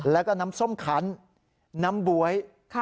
แล้วก็น้ำส้มคันน้ำบ๊วย